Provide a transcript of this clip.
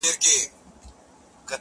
زه يې هم وينم عامره